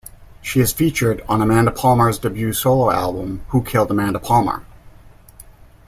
She is featured on Amanda Palmer's debut solo album, "Who Killed Amanda Palmer".